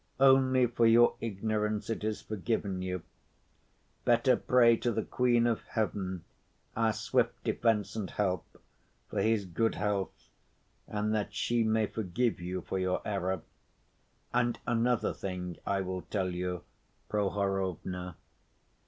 Only for your ignorance it is forgiven you. Better pray to the Queen of Heaven, our swift defense and help, for his good health, and that she may forgive you for your error. And another thing I will tell you, Prohorovna.